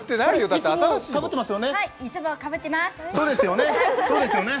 いつもかぶってますよね？